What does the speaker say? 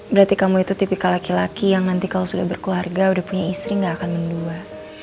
berarti kamu itu tipikal laki laki yang nanti kalau sudah berkeluarga udah punya istri gak akan mendua